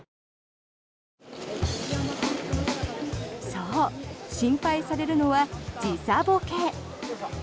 そう、心配されるのは時差ぼけ。